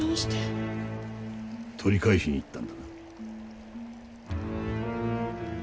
取り返しに行ったんだな。